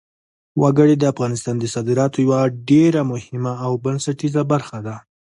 وګړي د افغانستان د صادراتو یوه ډېره مهمه او بنسټیزه برخه ده.